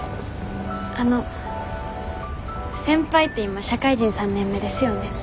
あの先輩って今社会人３年目ですよね？